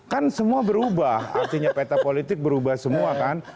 kan semua berubah artinya peta politik berubah semua kan